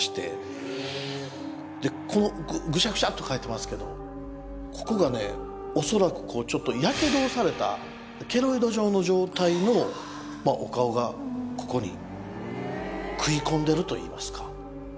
このぐしゃぐしゃっと描いてますけどここがおそらくちょっとやけどをされたケロイド状の状態のお顔がここに食い込んでるといいますか。